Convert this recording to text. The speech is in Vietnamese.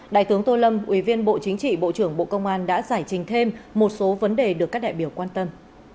đại tướng tô lâm ủy viên bộ chính trị bộ trưởng bộ công an đã giải trình thêm một số vấn đề được các đại biểu quan tâm